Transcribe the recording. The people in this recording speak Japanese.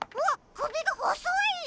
くびがほそい！